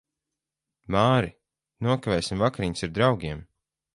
Māri, nokavēsim vakariņas ar draugiem.